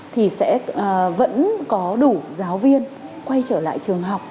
thì sẽ vẫn có đủ giáo viên quay trở lại trường học